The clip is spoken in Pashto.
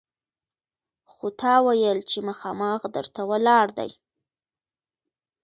خو تا ویل چې مخامخ در ته ولاړ دی!